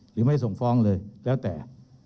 หรือไม่ส่งฟ้องเลยแล้วแต่